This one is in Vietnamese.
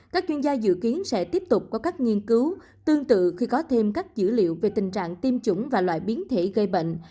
các chuyên gia dự kiến sẽ tiếp tục có các nghiên cứu tương tự khi có thêm các dữ liệu về tình trạng tiêm chủng và loại biến thể gây bệnh